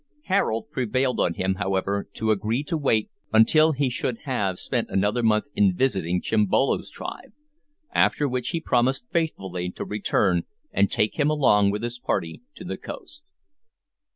Harold prevailed on him, however, to agree to wait until he should have spent another month in visiting Chimbolo's tribe, after which he promised faithfully to return and take him along with his party to the coast.